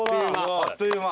あっという間。